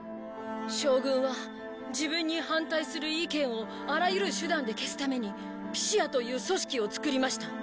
将軍は自分に反対する意見をあらゆる手段で消すためにピシアという組織を作りました。